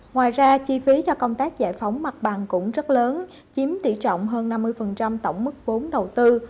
ngoài ra chi phí cho công tác giải phóng mặt bằng cũng rất lớn chiếm tỷ trọng hơn năm mươi tổng mức vốn đầu tư